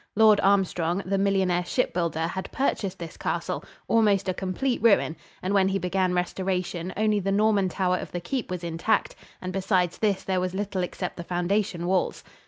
Lord Armstrong, the millionaire shipbuilder, had purchased this castle almost a complete ruin and when he began restoration only the Norman tower of the keep was intact; and besides this there was little except the foundation walls.